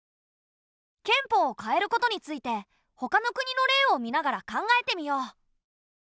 憲法を変えることについてほかの国の例を見ながら考えてみよう。